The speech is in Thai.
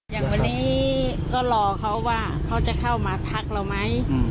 อย่างวันนี้ก็รอเขาว่าเขาจะเข้ามาทักเราไหม